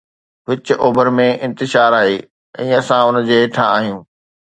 وچ اوڀر ۾ انتشار آهي ۽ اسان ان جي هيٺان آهيون.